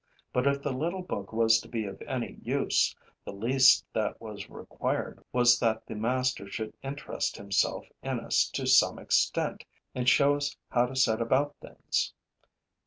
But, if the little book was to be of any use, the least that was required was that the master should interest himself in us to some extent and show us how to set about things.